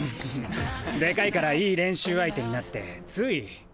でかいからいい練習相手になってつい。